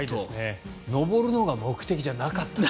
上るのが目的じゃなかった。